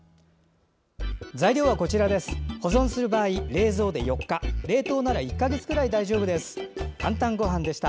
保存する場合、冷蔵で４日冷凍なら１か月くらい大丈夫です。